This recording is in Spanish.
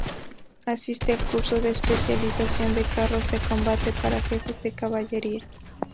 Asiste al curso de especialización de Carros de Combate para Jefes de Caballería.